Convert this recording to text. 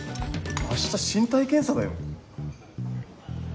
明日身体検査だよ？